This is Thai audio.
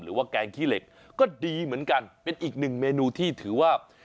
แกงขี้เหล็กก็ดีเหมือนกันเป็นอีกหนึ่งเมนูที่ถือว่า